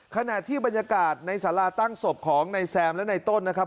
ขณะที่บรรยากาศในสาราตั้งศพของนายแซมและในต้นนะครับ